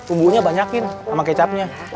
umbunya banyakin sama kecapnya